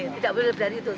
tidak boleh lebih dari itu